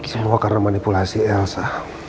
semua karena manipulasi elsa